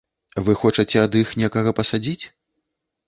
Вы хочаце ад іх некага пасадзіць?